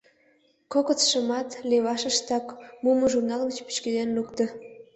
Кокытшымат левашыштак мумо журнал гыч пӱчкеден лукто.